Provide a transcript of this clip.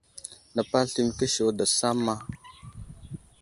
Nepaɗ slu i məkisiwid daw samma.